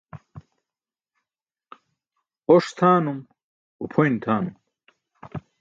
Oṣ tʰaanum, upʰoyn tʰaanum.